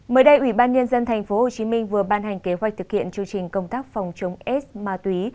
mới đây ủy ban nhân dân tp hcm vừa ban hành kế hoạch thực hiện chương trình công tác phòng chống s ma túy